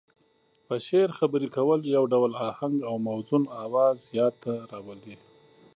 په شعر خبرې کول يو ډول اهنګ او موزون اواز ياد ته راولي.